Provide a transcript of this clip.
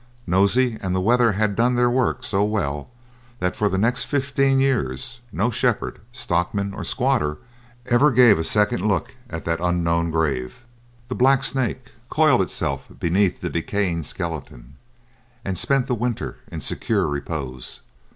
Nosey and the weather had done their work so well that for the next fifteen years no shepherd, stockman, or squatter ever gave a second look at that unknown grave. The black snake coiled itself beneath the decaying skeleton, and spent the winter in secure repose.